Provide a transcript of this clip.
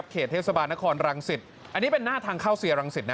เขตเทศบาลนครรังสิตอันนี้เป็นหน้าทางเข้าเซียรังสิตนะ